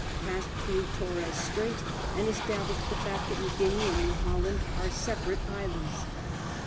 Passed through Torres Strait and established the fact that New Guinea and New Holland are separate islands.